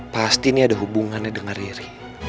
pasti ini ada hubungannya dengan riri